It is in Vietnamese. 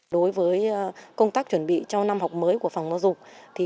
đối với công tác chuẩn bị cho năm học mới của phòng giáo dục